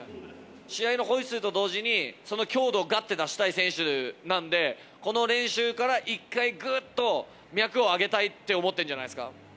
試合のホイッスルと同時に、その強度をがって出したい選手なんで、この練習から一回、ぐっと脈を上げたいって思ってるんじゃないですか。